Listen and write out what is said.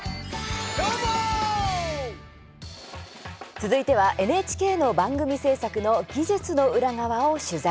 続いては、ＮＨＫの番組制作の技術の裏側を取材。